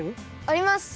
あります。